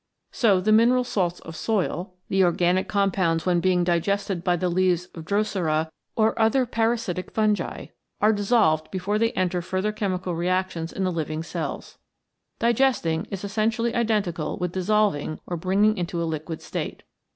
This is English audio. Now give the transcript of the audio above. So the mineral salts of soil, the organic 69 CHEMICAL PHENOMENA IN LIFE compounds when being digested by the leaves of Drosera or by parasitic fungi are dissolved before they enter further chemical reactions in the living cells. Digesting is essentially identical with dis solving, or bringing into a liquid state.